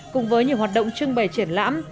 cùng với nhiều hoạt động trưng bày triển lãm